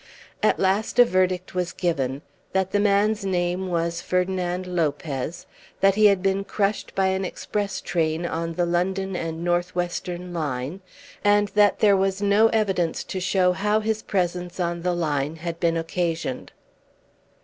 At last a verdict was given, that the man's name was Ferdinand Lopez, that he had been crushed by an express train on the London and North Western Line, and that there was no evidence to show how his presence on the line had been occasioned.